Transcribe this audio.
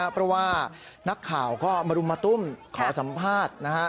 เพราะว่านักข่าวก็มารุมมาตุ้มขอสัมภาษณ์